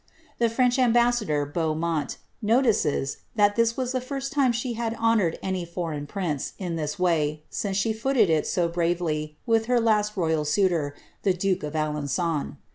The French ambassador, Beaumont, notices, that this was the first time she had honoured any foreign prince in this way since she looted it so bravely with her last royal suitor, the duke of Alengon.